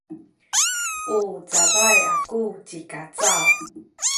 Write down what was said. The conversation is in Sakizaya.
u cabay aku ci Kacaw.